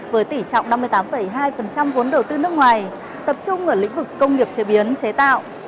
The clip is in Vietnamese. với tỉ trọng năm mươi tám hai vốn đầu tư nước ngoài tập trung ở lĩnh vực công nghiệp chế biến chế tạo